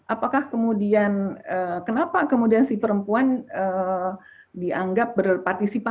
apakah kemudian kenapa kemudian si perempuan dianggap berpartisi perempuan